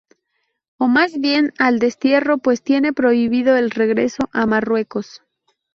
O más bien al destierro, pues tiene prohibido el regreso a Marruecos.